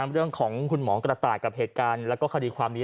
เรื่องของคุณหมอกระต่ายกับเหตุการณ์แล้วก็คดีความนี้